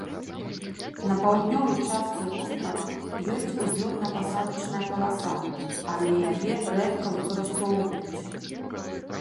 На паўднёвай частцы вострава ёсць узлётна-пасадачная паласа, але яе рэдка выкарыстоўваюць.